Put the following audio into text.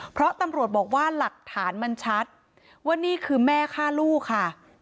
เพราะตำรวจบอกว่าหลักฐานมันชัดว่านี่คือแม่ฆ่าลูกค่ะ